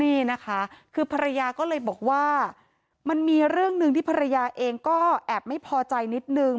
นี่นะคะคือภรรยาก็เลยบอกว่ามันมีเรื่องหนึ่งที่ภรรยาเองก็แอบไม่พอใจนิดนึง